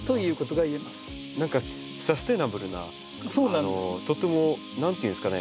何かサステナブルなとっても何ていうんですかね